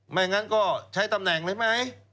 ไม่งั้นก็ใช้ตำแหน่งเลยไหม